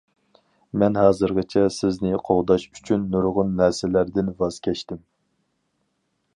مەن ھازىرغىچە سىزنى قوغداش ئۈچۈن نۇرغۇن نەرسىلەردىن ۋاز كەچتىم.